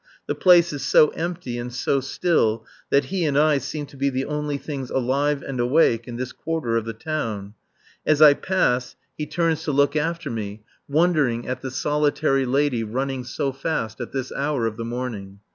The place is so empty and so still that he and I seem to be the only things alive and awake in this quarter of the town. As I pass he turns to look after me, wondering at the solitary lady running so fast at this hour of the morning.